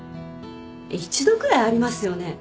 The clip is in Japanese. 一度くらいありますよね？